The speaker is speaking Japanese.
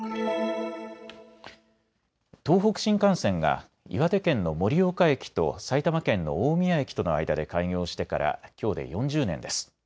東北新幹線が岩手県の盛岡駅と埼玉県の大宮駅との間で開業してからきょうで４０年です。